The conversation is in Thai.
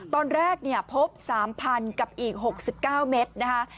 ตอนแรกพบ๓๐๐๐กับอีก๖๙เมตรนะคะ